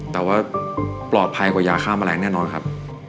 แต่ว่าปลอดภัยกว่ายาฆ่าแมลงแน่นอนครับ